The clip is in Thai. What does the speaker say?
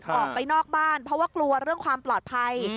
ออกไปนอกบ้านเพราะว่ากลัวเรื่องความปลอดภัย